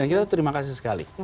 kita terima kasih sekali